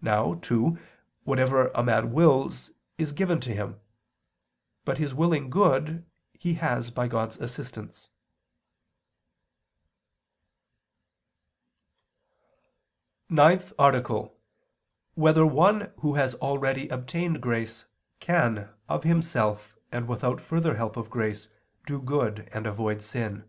Now, too, whatever a man wills, is given to him; but his willing good, he has by God's assistance. ________________________ NINTH ARTICLE [I II, Q. 109, Art. 9] Whether One Who Has Already Obtained Grace, Can, of Himself and Without Further Help of Grace, Do Good and Avoid Sin?